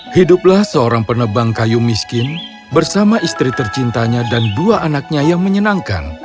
hiduplah seorang penebang kayu miskin bersama istri tercintanya dan dua anaknya yang menyenangkan